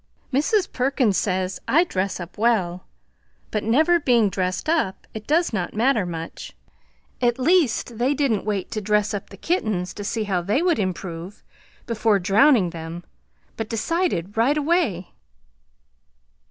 Mrs. Perkins says I dress up well, but never being dressed up it does not matter much. At least they didn't wait to dress up the kittens to see how they would improve, before drowning them, but decided right away.